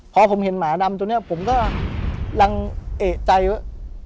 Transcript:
พอผมเห็นหมาดำตัวนี้ผมก็ยังเอกใจว่า